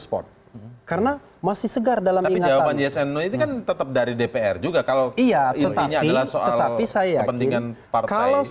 spot karena masih segar dalam ini tetap dari dpr juga kalau iya tetapi saya yakin kalau